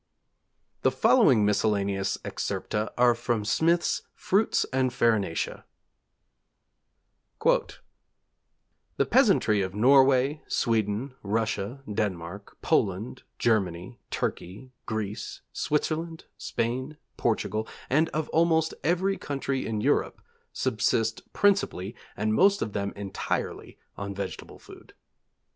The following miscellaneous excerpta are from Smith's Fruits and Farinacea: 'The peasantry of Norway, Sweden, Russia, Denmark, Poland, Germany, Turkey, Greece, Switzerland, Spain, Portugal, and of almost every country in Europe subsist principally, and most of them entirely, on vegetable food....